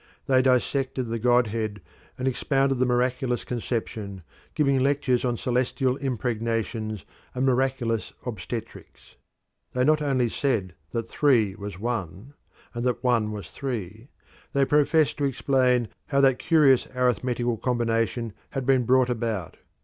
They dissected the godhead and expounded the miraculous conception, giving lectures on celestial impregnations and miraculous obstetrics. They not only said that 3 was 1, and that 1 was 3: they professed to explain how that curious arithmetical combination had been brought about.